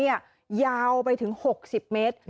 ยาวไปถึง๖๐เมตร